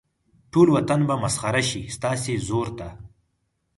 ټول وطن به مسخر شي ستاسې زور ته.